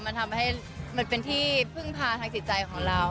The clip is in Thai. มันทำให้เป็นที่เพิ่งพาทางสิทธิ์ใจของเรา